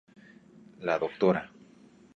La dra.